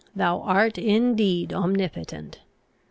thou art indeed omnipotent!